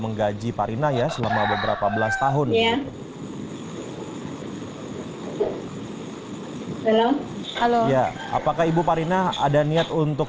menggaji farina ya selama beberapa belas tahun ya halo halo ya apakah ibu farina ada niat untuk